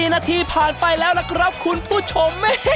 นาทีผ่านไปแล้วล่ะครับคุณผู้ชม